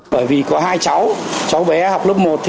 bởi vì có hai cháu cháu bé học lớp một thì tôi muốn mua một cuốn sách